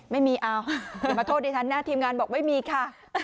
ไม่มีเอามาโทษดิฉันนะทีมงานบอกไม่มีค่ะ